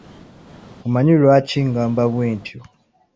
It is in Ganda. Omanyi Lwaki ngamba bwentyo?